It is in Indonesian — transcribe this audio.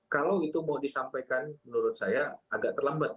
kalau itu mau disampaikan menurut saya agak terlambat